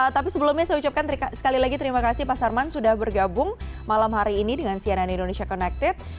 tapi sebelumnya saya ucapkan sekali lagi terima kasih pak sarman sudah bergabung malam hari ini dengan cnn indonesia connected